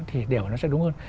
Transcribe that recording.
thì điều đó sẽ đúng hơn